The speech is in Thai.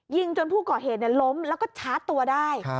จนผู้ก่อเหตุล้มแล้วก็ชาร์จตัวได้